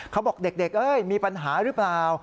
เขาบอกเด็กมีปัญหาหรือเปล่า